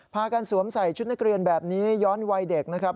พากันสวมใส่ชุดนักเรียนแบบนี้ย้อนวัยเด็กนะครับ